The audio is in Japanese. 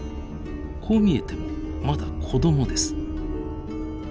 こう見えてもまだ子供です。